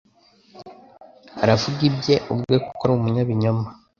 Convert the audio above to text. aravuga ibye ubwe kuko ari umunyabinyoma